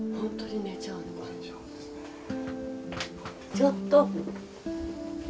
ちょっと。